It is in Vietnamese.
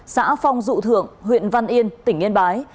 xã phong dụ thượng huyện văn yên tỉnh yên bái